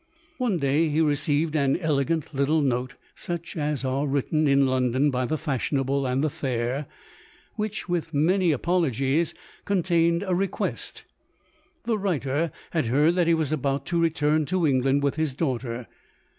One day he received an elegant little note, such as are writ ten in London by the fashionable and the fair, which, with many apologies, contained a request. The writer had heard that he was about to re turn to England with his daughter.